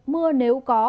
mưa nếu có